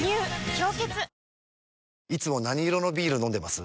「氷結」いつも何色のビール飲んでます？